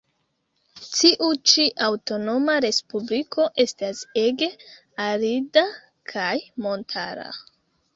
Tiu ĉi aŭtonoma respubliko estas ege arida kaj montara.